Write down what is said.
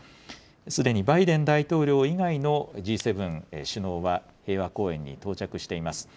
すでにバイデン大統領以外のＧ７首脳は平和公園に到着しています。